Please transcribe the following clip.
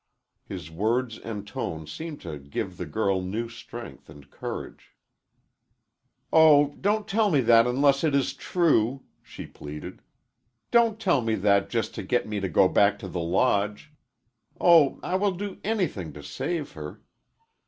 His words and tone seemed to give the girl new strength and courage. "Oh, don't tell me that unless it is true!" she pleaded. "Don't tell me that just to get me to go back to the Lodge! Oh, I will do anything to save her!